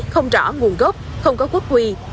không rõ nguồn gốc không có quốc quy